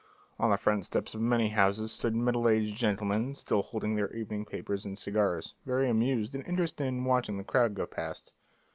On the front steps of many houses stood middle aged gentlemen, still holding their evening papers and cigars, very amused and interested in watching the crowd go past.